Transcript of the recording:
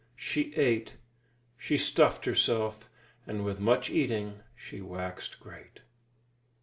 She ate, she stuffed herself; and with much eating she waxed great.